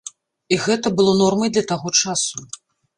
І гэта было нормай для таго часу.